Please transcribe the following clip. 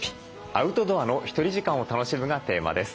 「アウトドアのひとり時間を楽しむ」がテーマです。